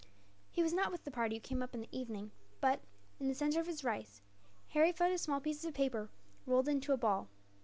He was not with the party who came up in the evening but, in the centre of his rice, Harry found a small piece of paper rolled into a ball.